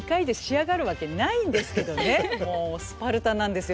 もうスパルタなんですよ